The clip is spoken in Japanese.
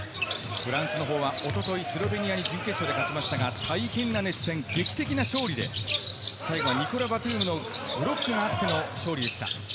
フランスは一昨日、スロベニアに準決勝で勝ちましたが、大変な熱戦、劇的な勝利で最後はブロックがあっての勝利でした。